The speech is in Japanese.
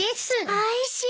おいしい！